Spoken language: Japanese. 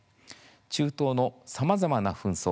中東のさまざまな紛争